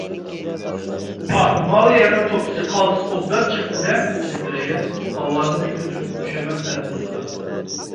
پاھ، ماۋۇ يەرنىڭ توپىسى قالتىس ئوبدان چىقىپتۇ - دە! _ دېدى بىرەيلەن ئاۋازىنى كۈتۈرۈپ خۇشامەت تەلەپپۇزىدا.